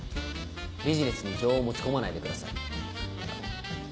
ビジネスに情を持ち込まないでください。